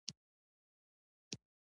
بايد تل له يوه متخصص سره مشوره وشي.